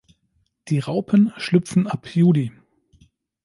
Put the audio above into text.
Die Raupen schlüpfen ab Juli.